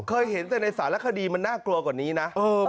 เคยเห็นแต่ในสารคดีมันน่ากลัวกว่านี้นะ